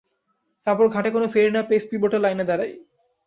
তারপর ঘাটে কোনো ফেরি না পেয়ে স্পিডবোটের লাইনে দাঁড়াই।